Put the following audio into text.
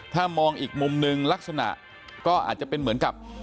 ถ้ามองอีกมุมนึงลักษณะก็อาจจะเป็นเหมือนกับ